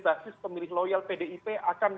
basis pemilih loyal pdip akan